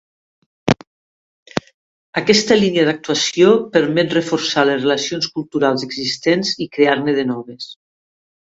Aquesta línia d'actuació permet reforçar les relacions culturals existents i crear-ne de noves.